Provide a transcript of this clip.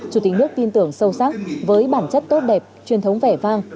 chủ tịch nước tin tưởng sâu sắc với bản chất tốt đẹp truyền thống vẻ vang